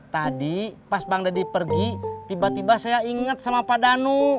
tadi pas bang deddy pergi tiba tiba saya ingat sama pak danu